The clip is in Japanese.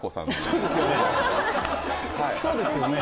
そうですよね